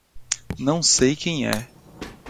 Não sei quem é.